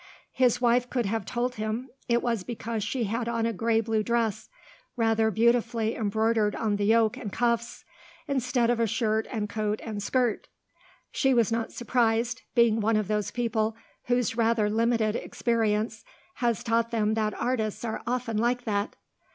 His wife could have told him it was because she had on a grey blue dress, rather beautifully embroidered on the yoke and cuffs, instead of a shirt and coat and skirt. She was not surprised, being one of those people whose rather limited experience has taught them that artists are often like that.